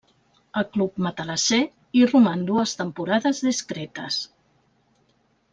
Al club matalasser hi roman dues temporades discretes.